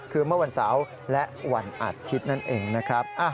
คือเมื่อวันเสาร์และวันอาทิตย์นั่นเองนะครับ